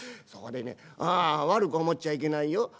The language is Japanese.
そこでねああ悪く思っちゃいけないよ。